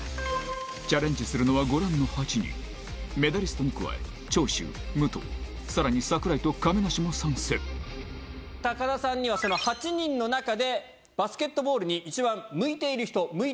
チャレンジするのはご覧の８人メダリストに加え長州武藤さらに櫻井と亀梨も参戦田さんにはその８人の中でバスケットボールに一番向いている人向いてない人。